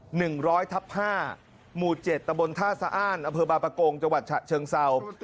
หนึ่งร้อยทับห้าหมู่เจ็ดตะบนท่าสะอ้านอำเภอบางประกงจังหวัดฉะเชิงเศร้า